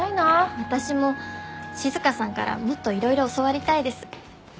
私も静さんからもっといろいろ教わりたいです。